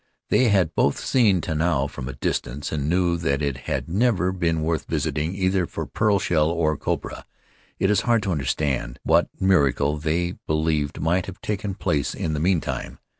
They had both seen Tanao from a dis tance and knew that it had never been worth visiting either for pearl shell or copra. It is hard to understand what miracle they believed might have taken place in the meantime.